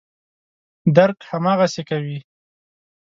درک هماغسې کوي.